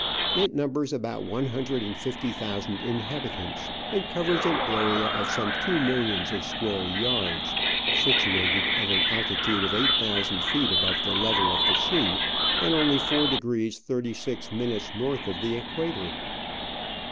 It numbers about one hundred and fifty thousand inhabitants, and covers an area of some two millions of square yards, situated at an altitude of eight thousand feet above the level of the sea, and only four degrees thirty six minutes north of the Equator.